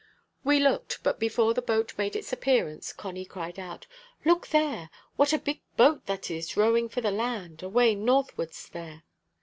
We looked. But before the boat made its appearance, Connie cried out "Look there! What a big boat that is rowing for the land, away northwards there!"